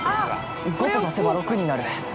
５と足せば６になる！